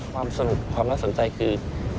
ความสนุกความน่าสนใจคือ